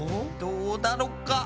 どうだろか？